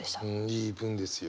いい文ですよね。